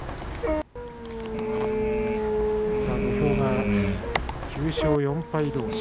土俵が９勝４敗どうし。